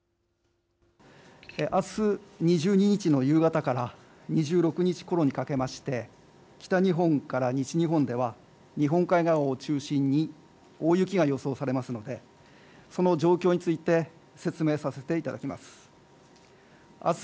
あす２２日の夕方から２６日ころにかけまして、北日本から西日本では、日本海側を中心に大雪が予想されますので、その状況について、説明させていただきます。